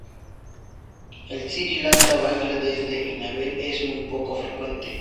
En Sri Lanka, Bangla Desh y Nepal es muy poco frecuente.